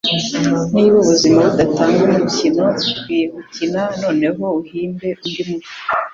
Niba ubuzima budatanga umukino ukwiye gukina, noneho uhimbe undi mushya.